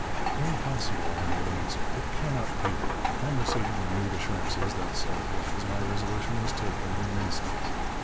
'Impossible,' I made answer. 'It cannot be.' Upon receiving renewed assurances that so it was, my resolution was taken in an instant.